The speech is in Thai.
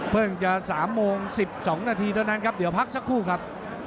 จะ๓โมง๑๒นาทีเท่านั้นครับเดี๋ยวพักสักครู่ครับ